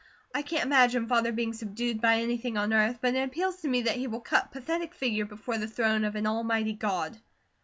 I can't imagine Father being subdued by anything on earth, but it appeals to me that he will cut a pathetic figure before the throne of an Almighty God."